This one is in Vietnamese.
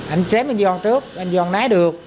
ảnh chém ảnh dọn trước ảnh dọn náy được